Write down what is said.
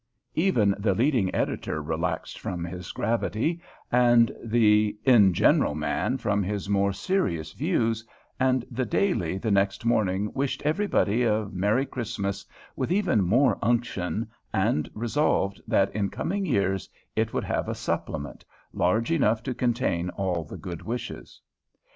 Even the leading editor relaxed from his gravity, and the "In General" man from his more serious views, and the Daily the next morning wished everybody a merry Christmas with even more unction, and resolved that in coming years it would have a supplement, large enough to contain all the good wishes.